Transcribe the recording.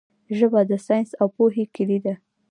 ژبه د ساینس او پوهې کیلي ده.